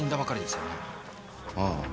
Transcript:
ああ。